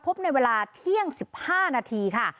ในเวลาเที่ยง๑๕นาทีค่ะ